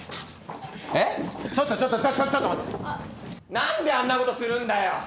何であんなことするんだよ！